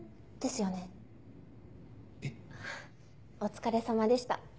お疲れさまでした。